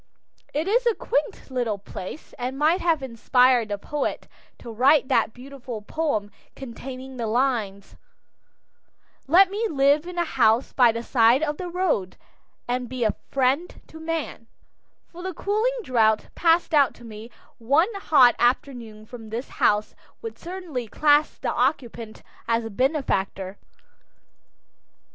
It is a quaint little place, and might have inspired the poet to write that beautiful poem containing the lines, Let me live in a house by the side of the road, And be a friend to man, for the cooling draught passed out to me one hot afternoon from this house would certainly class the occupant as a benefactor.